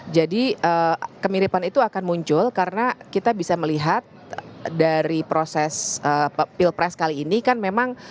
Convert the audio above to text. jadi kemiripan itu akan muncul karena kita bisa melihat dari proses pilpres kali ini kan memang